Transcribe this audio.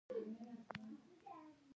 کوم ډول وریجې په سړو اوبو کې کیږي؟